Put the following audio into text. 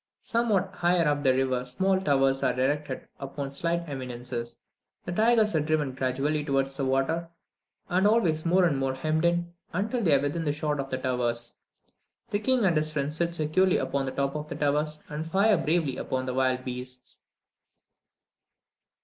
Somewhat higher up the river small towers are erected upon slight eminences; the tigers are driven gradually towards the water, and always more and more hemmed in, until they are within shot of the towers; the king and his friends sit securely upon the tops of the towers, and fire bravely upon the wild beasts.